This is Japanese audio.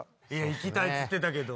行きたいっつってたけど。